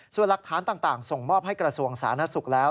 ส่วนหลักฐานต่างส่งมอบให้กระทรวงสาธารณสุขแล้ว